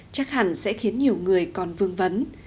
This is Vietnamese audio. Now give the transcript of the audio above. chắc hẳn sẽ khiến nhiều người còn vương vấn